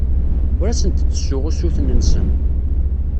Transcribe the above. Ur asen-d-ttessuɣ usuten-nsen.